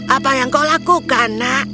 apa yang kau lakukan nak